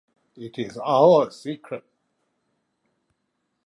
It is our secret.